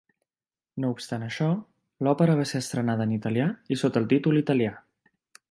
No obstant això, l'òpera va ser estrenada en italià i sota el títol italià.